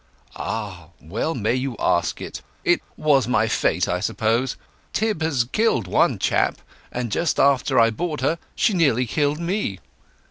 "Ah, well may you ask it! It was my fate, I suppose. Tib has killed one chap; and just after I bought her she nearly killed me.